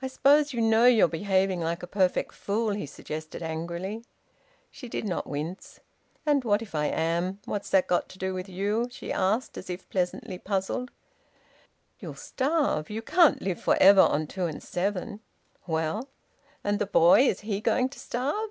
"I suppose you know you're behaving like a perfect fool?" he suggested angrily. She did not wince. "And what if I am? What's that got to do with you?" she asked, as if pleasantly puzzled. "You'll starve. You can't live for ever on two and seven." "Well?" "And the boy? Is he going to starve?"